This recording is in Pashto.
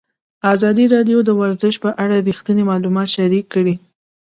ازادي راډیو د ورزش په اړه رښتیني معلومات شریک کړي.